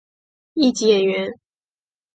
一级演员。